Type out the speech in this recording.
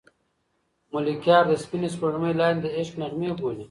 ملکیار د سپینې سپوږمۍ لاندې د عشق نغمې بولي.